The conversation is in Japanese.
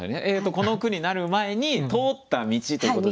この句になる前に通った道ということですよね。